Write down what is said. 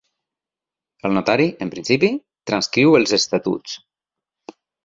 El notari, en principi, transcriu els estatuts.